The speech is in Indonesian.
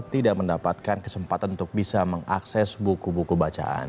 tidak mendapatkan kesempatan untuk bisa mengakses buku buku bacaan